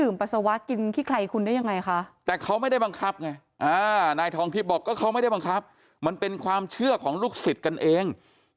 มันเป็นความเชื่อของลูกศิษย์กันเอง